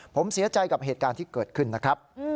ผมเสียใจกับเหตุการณ์ที่เกิดขึ้นนะครับ